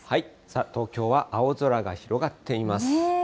東京は青空が広がっています。